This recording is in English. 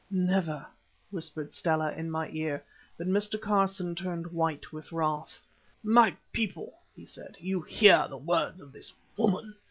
"Never," murmured Stella in my ear; but Mr. Carson turned white with wrath. "My people," he said, "you hear the words of this woman.